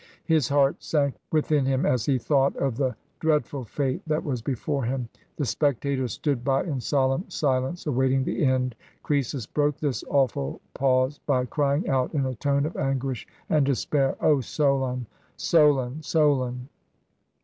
His heart sank within him as he thought of the dread ful fate that was before him. The spectators stood by in solemn silence, awaiting the end. Croesus broke this awful pause by crying out, in a tone of anguish and despair, — "O Solon! Solon! Solon!"